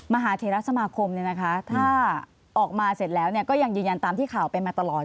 มหาเทราสมาคมถ้าออกมาเสร็จแล้วก็ยังยืนยันตามที่ข่าวเป็นมาตลอด